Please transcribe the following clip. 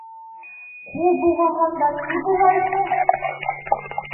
Ҡул болғағандан ни була ине?